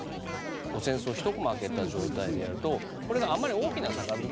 お扇子をひとこま開けた状態でやるとこれがあんまり大きな杯ではないよと。